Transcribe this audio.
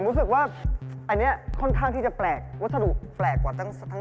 รู้สึกว่าอันนี้ค่อนข้างที่จะแปลกวัสดุแปลกกว่าทั้ง